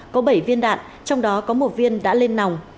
có bảy viên đạn trong đó có một viên đã lên nòng